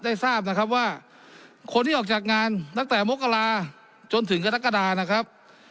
ทราบนะครับว่าคนที่ออกจากงานตั้งแต่มกราจนถึงกรกฎานะครับ